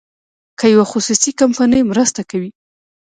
که یوه خصوصي کمپنۍ مرسته کوي.